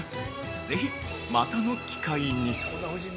ぜひ、またの機会に。